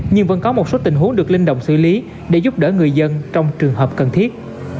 nhưng vẫn có một số tình huống được linh động xử lý để giúp đỡ người dân trong trường hợp cần thiết